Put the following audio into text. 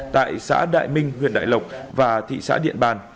tại xã đại minh huyện đại lộc và thị xã điện bàn